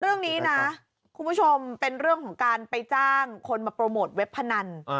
เรื่องนี้นะคุณผู้ชมเป็นเรื่องของการไปจ้างคนมาโปรโมทเว็บพนัน